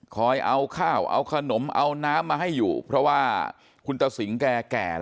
เอาข้าวเอาขนมเอาน้ำมาให้อยู่เพราะว่าคุณตะสิงแก่